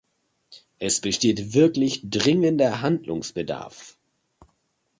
Es besteht wirklich dringender Handlungsbedarf.